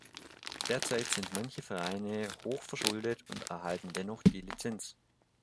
Derzeit sind manche Vereine hoch verschuldet und erhalten dennoch die Lizenz.